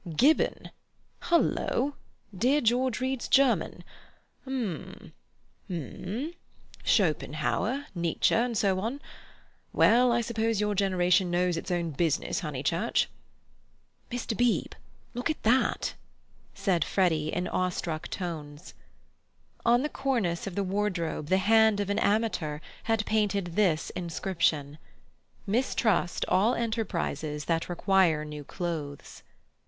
Gibbon. Hullo! dear George reads German. Um—um—Schopenhauer, Nietzsche, and so we go on. Well, I suppose your generation knows its own business, Honeychurch." "Mr. Beebe, look at that," said Freddy in awestruck tones. On the cornice of the wardrobe, the hand of an amateur had painted this inscription: "Mistrust all enterprises that require new clothes."